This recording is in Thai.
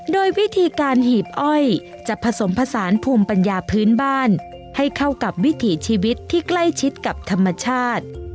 โดยวิธีการหีบอ้อยจะผสมผสานภูมิปัญญาพื้นบ้านให้เข้ากับวิถีชีวิตที่ใกล้ชิดกับธรรมชาติ